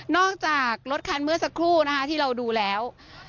จากรถคันเมื่อสักครู่นะคะที่เราดูแล้ว